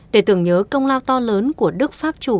để tưởng nhớ công lao to lớn của đức pháp chủ